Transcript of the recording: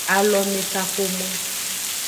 Alomekaxomo.